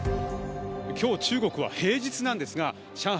今日中国は平日なんですが上海